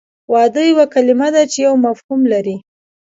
واده یوه کلمه ده چې یو مفهوم لري